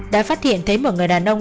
đã phát hiện thấy một người đàn ông